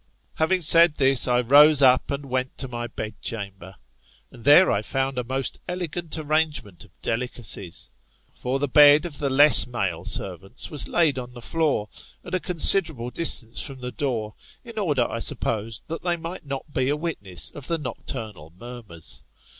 Having said this, I rose up and went to my bedchamber : and there I found a most elegant arrangement of .delicacies For the bed of the less male servants was laid on the floor, at a considerable distance from the door : in order, I suppose, that they might not be a witness of the nocturnal murmurs.